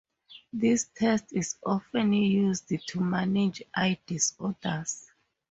This test is often used to manage eye disorders.